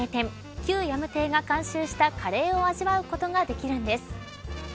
旧ヤム邸が監修したカレーを味わうことができるんです。